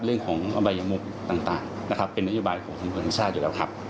เรื่องของบายมุบต่างเป็นนโยบายของคุณผู้ชาติอยู่แล้วครับ